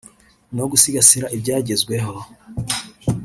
no gusigasira ibyagezweho